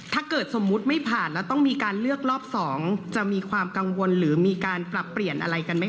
ถ้าเกิดสมมุติไม่ผ่านแล้วต้องมีการเลือกรอบ๒จะมีความกังวลหรือมีการปรับเปลี่ยนอะไรกันไหมค